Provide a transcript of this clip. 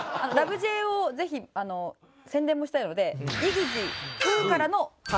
Ｊ』をぜひ宣伝もしたいので「イグジー！！」